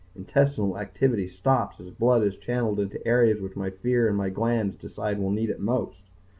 Intestinal activity stops as blood is channeled into the areas which my fear and my glands decide will need it most.